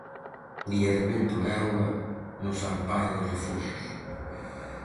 Día de vento e auga no San Paio de Refoxos.